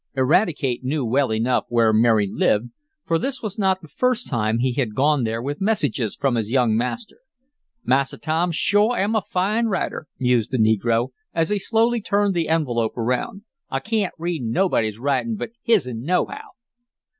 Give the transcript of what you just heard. Eradicate knew well enough where Mary lived, for this was not the first time he had gone there with messages from his young master. "Massa Tom shore am a fine writer," mused the negro, as he slowly turned the envelope around. "I cain't read nobody's writin' but hisen, nohow."